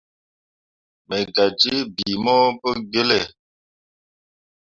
Me gah jii bii mo pu gbelle.